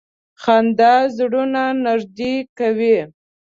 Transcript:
• خندا زړونه نږدې کوي.